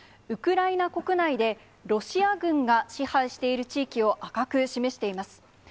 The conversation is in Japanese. ウクライナ国内で、ロシア軍が支配している地域を赤く示しています。